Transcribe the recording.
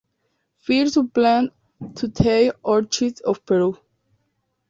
First supplement to the Orchids of Peru.